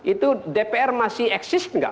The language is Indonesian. itu dpr masih eksis nggak